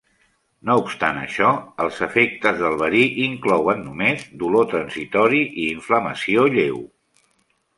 No obstant això, els efectes del verí inclouen només dolor transitori i inflamació lleu.